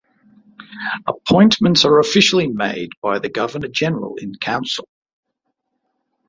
Appointments are officially made by the Governor-General in Council.